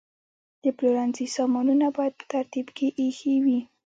د پلورنځي سامانونه باید په ترتیب کې ایښي وي.